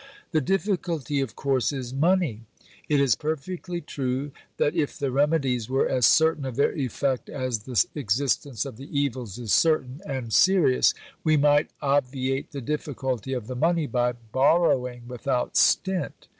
The difficulty, of course, is money. It is perfectly true that, if the remedies were as certain of their effect as the existence of the evils is certain and serious, we might obviate the difficulty of the money by borrowing without stint.